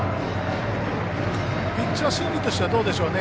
ピッチャー心理としてはどうでしょうね。